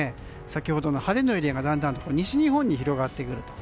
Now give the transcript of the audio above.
先ほどの晴れのエリアがだんだんと西日本に広がってくる。